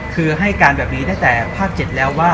คือให้การแบบนี้ตั้งแต่ภาค๗แล้วว่า